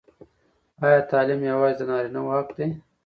ایا تعلیم یوازې د نارینه وو حق دی؟